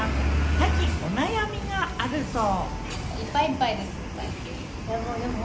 最近お悩みがあるそう。